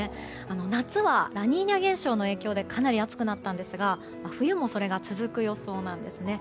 夏はラニーニャ現象の影響でかなり暑くなったんですが冬もそれが続く予想なんですね。